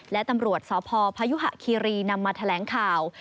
และตำรวจสพพยุหะคีรีนำมาแถลงข่าว